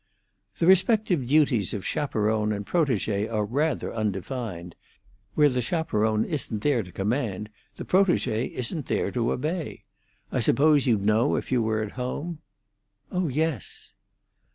"The respective duties of chaperone and protégée are rather undefined. Where the chaperone isn't there to command, the protégée isn't there to obey. I suppose you'd know if you were at home?" "Oh yes!"